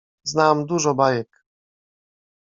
Znam dużo bajek.